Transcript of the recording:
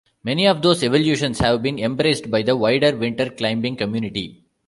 Many of these evolutions have been embraced by the wider winter climbing community.